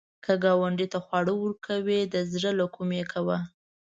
که ګاونډي ته خواړه کوې، د زړه له کومي کوه